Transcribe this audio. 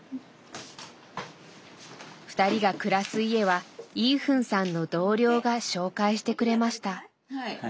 ２人が暮らす家はイーフンさんの同僚が紹介してくれました。